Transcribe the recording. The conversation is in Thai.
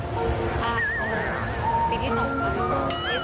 พาไปกินข้าวเหมือนเดิม